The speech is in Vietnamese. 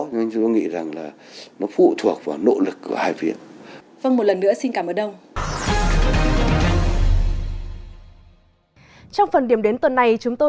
nhưng tôi nghĩ rằng là nó phụ thuộc vào nỗ lực của hai phía